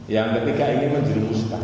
yang ketiga ingin menjadi ustaz